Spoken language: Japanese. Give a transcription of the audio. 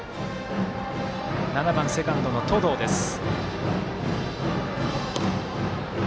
７番セカンドの登藤です。